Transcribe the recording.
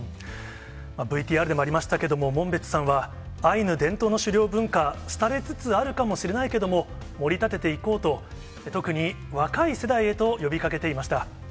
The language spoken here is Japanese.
ＶＴＲでもありましたけど、門別さんは、アイヌ伝統の狩猟文化、廃れつつあるかもしれないけれども、もり立てていこうと、特に若い世代へと呼びかけていました。